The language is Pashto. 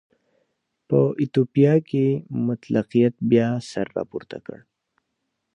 په ایتوپیا کې مطلقیت بیا سر راپورته کړ.